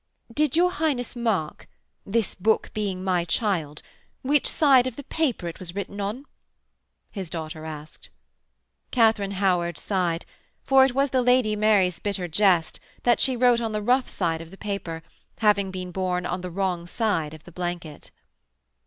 'Did your Highness mark this book being my child which side of the paper it was written on?' his daughter asked. Katharine Howard sighed, for it was the Lady Mary's bitter jest that she wrote on the rough side of the paper, having been born on the wrong side of the blanket.